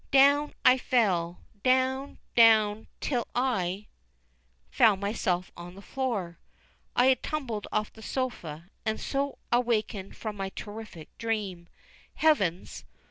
Down I fell, down, down, till I found myself on the floor. I had tumbled off the sofa, and so awakened from my terrific dream. Heavens!